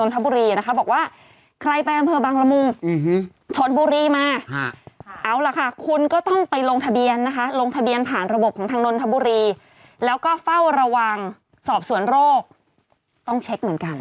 ทางระบบทางนทนทบุรีแล้วก็เฝ้าระวังสอบสวนโรคต้องเช็คเหมือนกัน